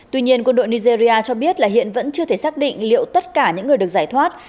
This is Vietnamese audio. tuy nhiên quân đội nigeria cho biết là hiện vẫn chưa thể xác định liệu tất cả những người được giải thoát